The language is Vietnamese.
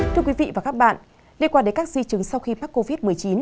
thưa quý vị và các bạn liên quan đến các di chứng sau khi mắc covid một mươi chín